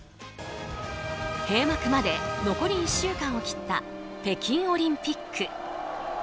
閉幕まで残り１週間を切った北京オリンピック。